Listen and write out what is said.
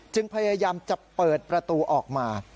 พยายามจะเปิดประตูออกมา